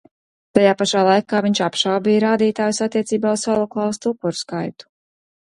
Tajā pašā laikā viņš apšaubīja rādītājus attiecībā uz holokausta upuru skaitu.